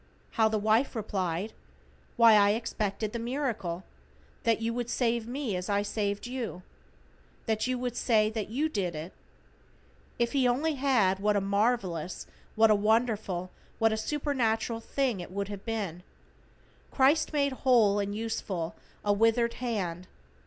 How the wife replied: "Why, I expected the miracle. That you would save me as I saved you. That you would say that you did it." If he only had, what a marvelous, what a wonderful, what a supernatural thing it would have been. Christ made whole and useful a withered hand.